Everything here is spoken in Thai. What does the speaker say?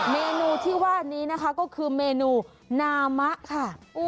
เมนูที่ว่านี้นะคะก็คือเมนูนามะค่ะ